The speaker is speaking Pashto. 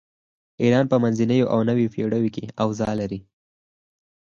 ایران په منځنیو او نویو پیړیو کې اوضاع لري.